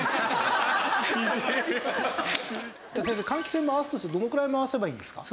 先生換気扇回すとしてどのくらい回せばいいんですか？